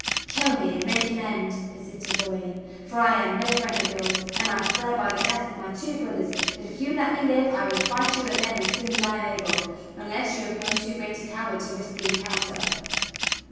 "Kill me and make an end!" persisted Gawain, "for I am no friend of yours; and I swear by the death of my two brothers that if you let me live I will fight you again as soon as I am able, unless you have grown too great a coward to risk the encounter!"